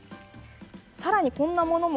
更に、こんなものも。